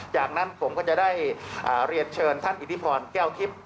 จากนั้นผมก็จะได้เรียนเชิญท่านอิทธิพรแก้วทิพย์